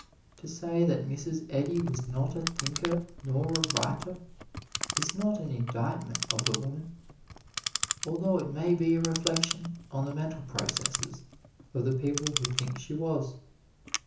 To say that Mrs. Eddy was not a thinker nor a writer, is not an indictment of the woman, although it may be a reflection on the mental processes of the people who think she was.